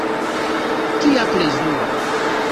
Kia plezuro.